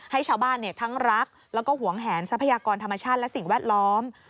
ให้ชาวบ้านทั้งรักแล้วก็หวงแหนทรัพยากรธรรมชาติและสิ่งแวดล้อม